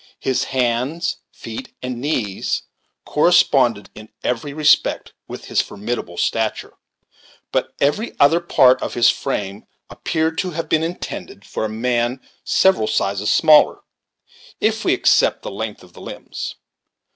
His hands, feet, and knees corresponded in every respect with this formidable stature; but every other part of his frame appeared to have been intended for a man several sizes smaller, if we except the length of the limbs.